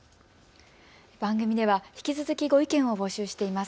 番組では引き続きご意見を募集しています。